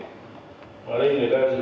rồi từ gia đình hạt nhân sang gia đình thiết lực